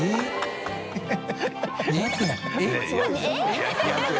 ２２０円？